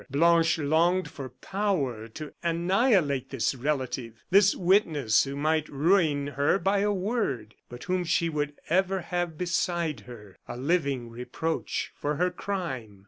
Blanche longed for power to annihilate this relative this witness who might ruin her by a word, but whom she would ever have beside her, a living reproach for her crime.